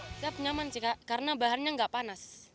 siap nyaman sih kak karena bahannya enggak panas